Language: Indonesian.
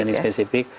ya ini spesifik